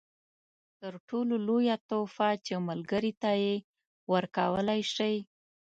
تر ټولو لویه تحفه چې ملګري ته یې ورکولای شئ.